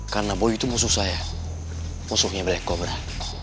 karena boy itu musuh saya musuhnya black cobra